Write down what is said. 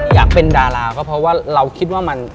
อยากเป็นดาราก็เพราะว่าเราคิดว่ามัน